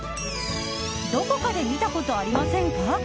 どこかで見たことありませんか？